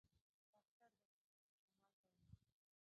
باختر د هندوکش شمال ته و